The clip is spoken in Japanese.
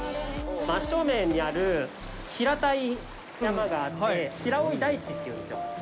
真正面にある、平たい山があって白老台地って言うんですよ。